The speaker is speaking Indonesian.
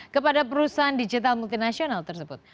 kepada perusahaan digital multinasional tersebut